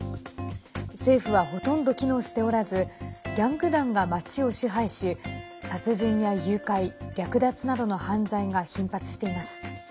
政府は、ほとんど機能しておらずギャング団が街を支配し殺人や誘拐、略奪などの犯罪が頻発しています。